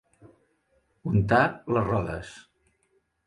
Untar les rodes.